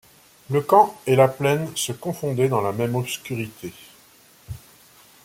Le camp et la plaine se confondaient dans la même obscurité.